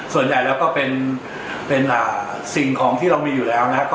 ส่วนใหญ่แล้วก็เป็นสิ่งของที่เรามีอยู่แล้วนะครับ